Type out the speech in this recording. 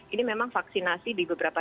ini memang vaksinasi di beberapa